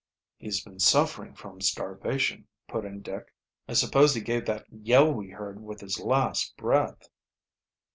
"He's been suffering from starvation," put in Dick. "I suppose he gave that yell we heard with his last breath."